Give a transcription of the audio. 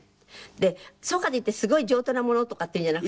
でそうかといってすごい上等なものとかっていうのじゃなくて。